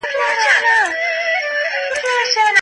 ډګر څېړنه د واقعیتونو د لیدلو ښه وسیله ده.